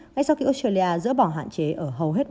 ngay sau khi australia dỡ bỏ hạn chế ở hầu hết